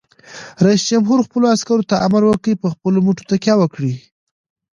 رئیس جمهور خپلو عسکرو ته امر وکړ؛ په خپلو مټو تکیه وکړئ!